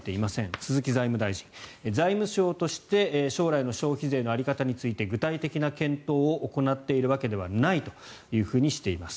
鈴木財務大臣は財務省として将来の消費税の在り方について具体的な検討を行っているわけではないというふうにしています。